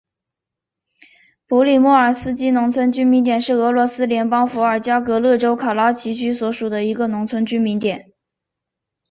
普里莫尔斯基农村居民点是俄罗斯联邦伏尔加格勒州卡拉奇区所属的一个农村居民点。